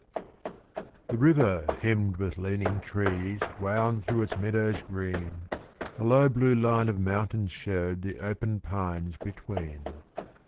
The river hemmed with leaning trees Wound through its meadows green; A low, blue line of mountains showed The open pines between.